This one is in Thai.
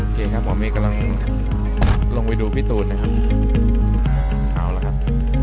โอเคครับหมอเมย์กำลังลงไปดูพี่ตูนนะครับเอาละครับ